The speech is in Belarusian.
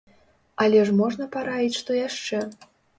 Але ж можна параіць што яшчэ?